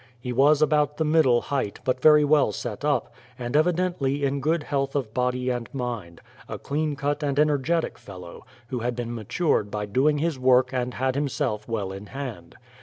He was about the middle height, but very well set up, and evidently in good health of body and mind; a clean cut and energetic fellow, who had been matured by doing his work and had himself well in hand.